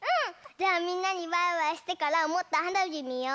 じゃあみんなにバイバイしてからもっとはなびみよう！